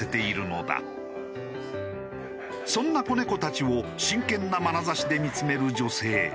そんな子猫たちを真剣なまなざしで見つめる女性。